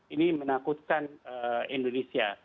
ini menakutkan indonesia